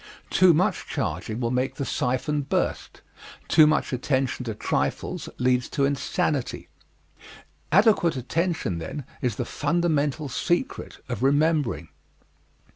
Too much charging will make the siphon burst; too much attention to trifles leads to insanity. Adequate attention, then, is the fundamental secret of remembering.